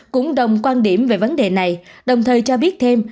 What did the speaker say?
cũng đồng quan điểm về vấn đề này đồng thời cho biết thêm